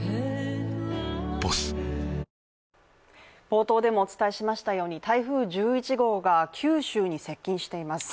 冒頭でもお伝えしましたように、台風１１号が九州に接近しています。